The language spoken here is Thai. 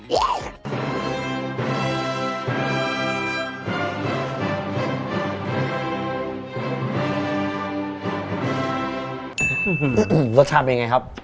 รสชาติเป็นไงครับ